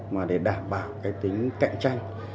mà để đảm bảo cái tính cạnh tranh